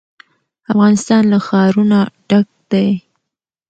افغانستان له ښارونه ډک دی.